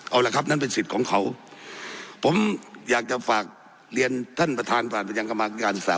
เอาละครับนั่นเป็นสิทธิ์ของเขาผมอยากจะฝากเรียนท่านประธานผ่านไปยังกรรมการศึกษา